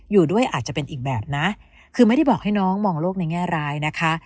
อยู่ด้วยอาจจะเป็นอีกแบบนะคือไม่ได้บอกให้น้องมองโลกในแง่ร้ายนะคะ